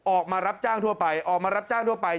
ออกมารับจ้างทั่วไปออกมารับจ้างทั่วไป